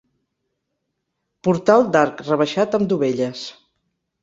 Portal d'arc rebaixat amb dovelles.